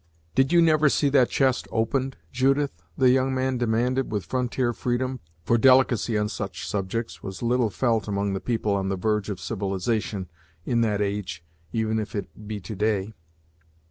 "Did you never see that chest opened, Judith?" the young man demanded with frontier freedom, for delicacy on such subjects was little felt among the people on the verge of civilization, in that age, even if it be to day.